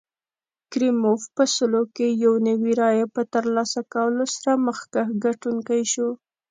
کریموف په سلو کې یو نوي رایې په ترلاسه کولو سره مخکښ ګټونکی شو.